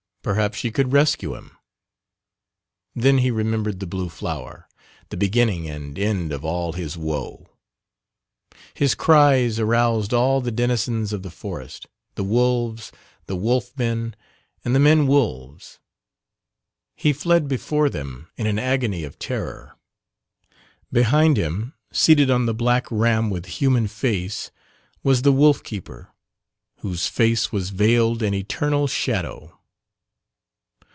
Perhaps she could rescue him? Then he remembered the blue flower the beginning and end of all his woe. His cries aroused all the denizens of the forest the wolves, the wolf men, and the men wolves. He fled before them in an agony of terror behind him, seated on the black ram with human face, was the wolf keeper, whose face was veiled in eternal shadow.